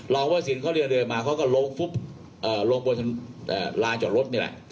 รองพระศิลป์เขาเดินเดินมาเขาก็ล้มฟุบเอ่อลงบนเอ่อลายจอดรถนี่แหละ